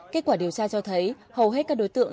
kết quả điều tra cho thấy hầu hết các đối tượng